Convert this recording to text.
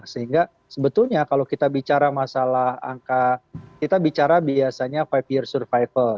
sehingga sebetulnya kalau kita bicara masalah angka kita bicara biasanya lima year survival